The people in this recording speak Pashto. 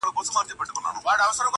په غم کي، د انا غم غيم.